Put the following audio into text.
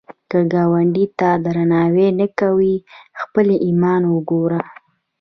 که ګاونډي ته درناوی نه کوې، خپل ایمان وګوره